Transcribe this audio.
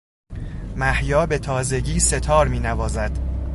محیا به تازگی سهتار مینوازد